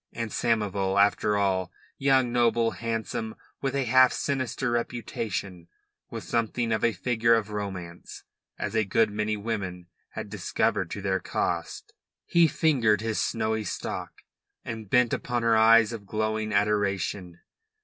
And Samoval, after all, young, noble, handsome, with a half sinister reputation, was something of a figure of romance, as a good many women had discovered to their cost. He fingered his snowy stock, and bent upon her eyes of glowing adoration.